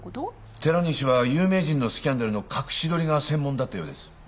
寺西は有名人のスキャンダルの隠し撮りが専門だったようです。